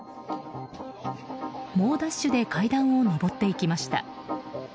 猛ダッシュで階段を上っていきました。